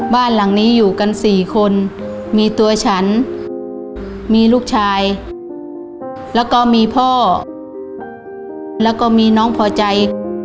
บ้านหลังนี้อยู่กัน๔คนมีตัวฉันมีลูกชายแล้วก็มีพ่อแล้วก็มีน้องพอใจ